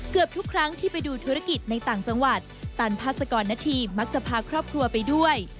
เกือบทุกครั้งที่ไปดูธุรกิจในต่างจังหวัดตันพาสกรณฑีมักจะพาครอบครัวไปด้วย